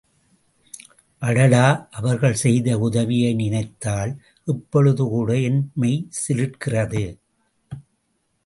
அடடா அவர்கள் செய்த உதவியை நினைத்தால் இப்பொழுதுகூட என் மெய்சிலிர்க்கிறது.